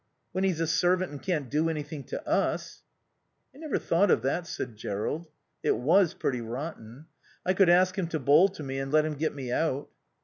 "When he's a servant and can't do anything to us." "I never thought of that," said Jerrold. (It was pretty rotten.) ... "I could ask him to bowl to me and let him get me out."